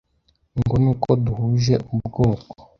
ngo nuko duhuje ubwoko